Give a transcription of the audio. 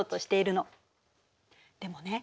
でもね。